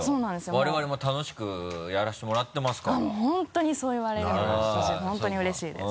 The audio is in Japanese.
我々も楽しくやらせてもらってますからもう本当にそう言われるのが私本当にうれしいです。